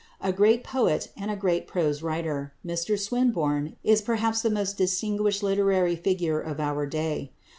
A great poet and a great prose writer, Mr Swinburne is perhaps the most distinguished literary figure of our day.